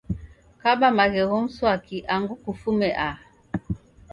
Kaba maghegho mswaki angu kufume aha